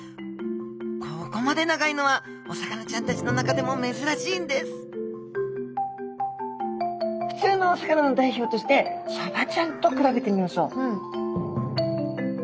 ここまで長いのはお魚ちゃんたちの中でもめずらしいんですふつうのお魚の代表としてサバちゃんと比べてみましょう。